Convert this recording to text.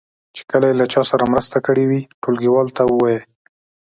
چې کله یې له چا سره مرسته کړې وي ټولګیوالو ته یې ووایي.